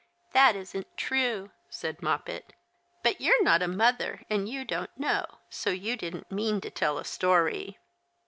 "That isn't true," said Moj)pet. "But you're not a mother, and you don't know, so you didn't mean to tell a story."